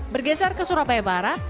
bergeser ke surabaya barat